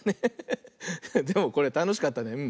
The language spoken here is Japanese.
でもこれたのしかったね。